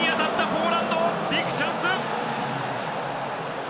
ポーランド、ビッグチャンス！